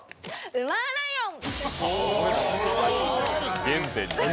うマーライオン！